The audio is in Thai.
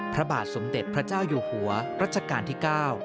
พระบาทสมเด็จพระเจ้าอยู่หัวรัชกาลที่๙